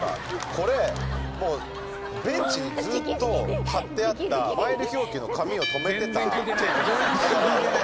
これ、もうベンチにずっと貼ってあったマイル表記の紙を留めてたテープ。